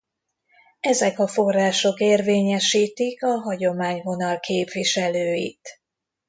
Ezek a források érvényesítik a hagyományvonal képviselőit.